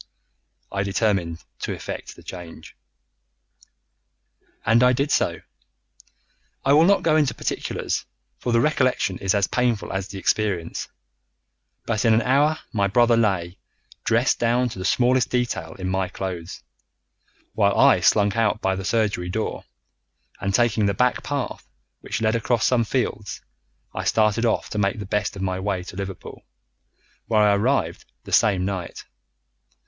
I determined to effect the change. "And I did so. I will not go into particulars, for the recollection is as painful as the experience; but in an hour my brother lay, dressed down to the smallest detail in my clothes, while I slunk out by the surgery door, and taking the back path which led across some fields, I started off to make the best of my way to Liverpool, where I arrived the same night.